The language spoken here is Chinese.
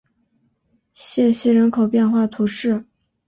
谢西人口变化图示